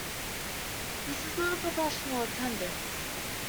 This is not a professional attendance.